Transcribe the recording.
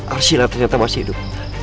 arsila ternyata masih hidup